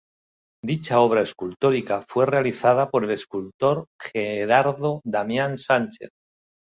Dicha obra escultórica fue realizada por el escultor Gerardo Damián Sánchez.